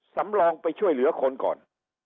สำรองไปช่วยเหลือคนก่อน